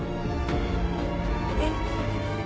えっ？